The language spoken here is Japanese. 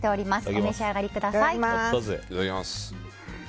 お召し上がりください。